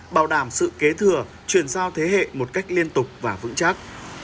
bảo đảm sự kế thừa chuyển giao thế hệ một cách liên tục và vững chắc